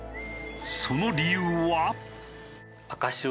その理由は。